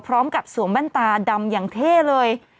พร้อมกับสวมบ้านตาดำอย่างเท่เลย